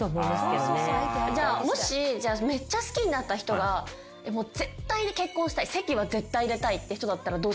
もしめっちゃ好きになった人が絶対結婚したい籍は絶対入れたいって人だったらどうしますか？